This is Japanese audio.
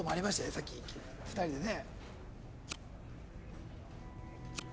さっき２人でね。